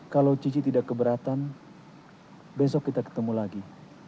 kalau cici tidak keberatan besok kita ketemu lagi